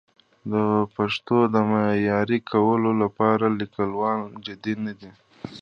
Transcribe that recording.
د پښتو د معیاري کولو لپاره لیکوالان جدي نه دي.